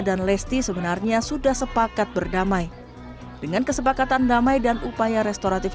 dan lesti sebenarnya sudah sepakat berdamai dengan kesepakatan damai dan upaya restoratif